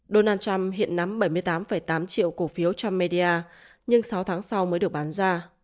donald trump hiện nắm bảy mươi tám tám triệu cổ phiếu trump media nhưng sáu tháng sau mới được bán ra